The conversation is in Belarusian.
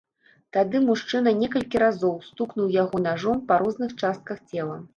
Тады мужчына некалькі разоў стукнуў яго нажом па розных частках цела.